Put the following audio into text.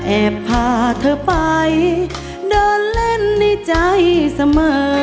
แอบพาเธอไปเดินเล่นในใจเสมอ